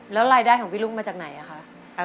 แล้วรายได้ของพี่ลุกมาจากไหนอะคะ